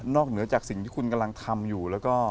เหนือจากสิ่งที่คุณกำลังทำอยู่แล้วก็